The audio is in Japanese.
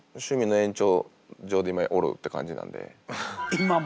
今も！？